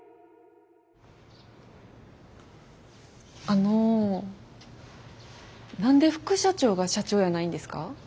あの何で副社長が社長やないんですか？